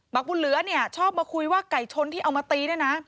บุญเหลือเนี่ยชอบมาคุยว่าไก่ชนที่เอามาตีด้วยนะ